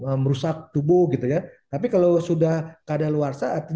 bahkan juga merusak tubuh gitu ya tapi juga berbeda dengan zat asal yang tersebut